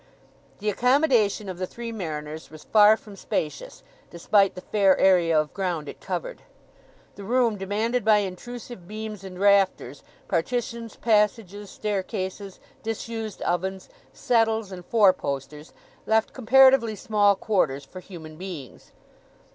The accommodation of the Three Mariners was far from spacious, despite the fair area of ground it covered. The room demanded by intrusive beams and rafters, partitions, passages, staircases, disused ovens, settles, and four posters, left comparatively small quarters for human beings.